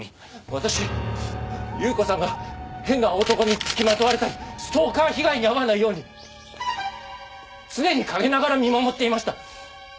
私祐子さんが変な男につきまとわれたりストーカー被害に遭わないように常に陰ながら見守っていました。